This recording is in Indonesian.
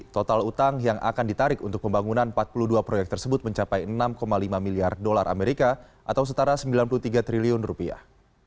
total utang yang akan ditarik untuk pembangunan empat puluh dua proyek tersebut mencapai enam lima miliar dolar amerika atau setara sembilan puluh tiga triliun rupiah